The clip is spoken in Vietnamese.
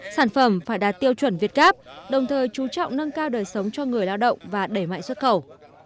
sản phẩm phải đạt tiêu chuẩn việt gáp đồng thời chú trọng nâng cao đời sống cho người lao động và đẩy mạnh xuất khẩu